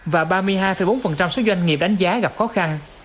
và ba mươi hai bốn số doanh nghiệp đánh giá gặp khó khăn